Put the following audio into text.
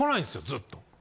ずっと。